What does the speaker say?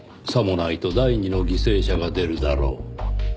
「さもないと第二の犠牲者が出るだろう」